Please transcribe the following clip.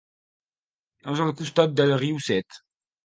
És al costat del riu Set.